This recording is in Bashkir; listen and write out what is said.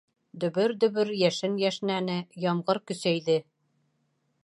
Дөбөр-дөбөр йәшен йәшнәне, ямғыр көсәйҙе.